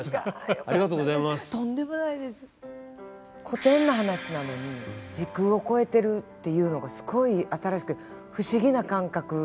古典の話なのに時空を超えてるっていうのがすごい新しくて不思議な感覚。